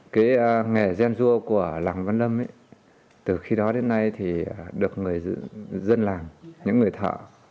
cái nghề gen dua của làng văn lâm ấy từ khi đó đến nay thì được người dân làng những người thợ